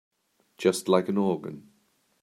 Just like an organ.